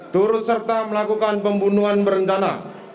turut serta melakukan pembunuhan berencana